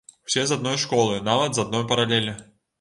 Усе з адной школы, нават з адной паралелі.